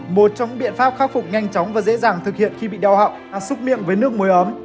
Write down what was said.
một trong những biện pháp khắc phục nhanh chóng và dễ dàng thực hiện khi bị đau họng xúc miệng với nước muối ấm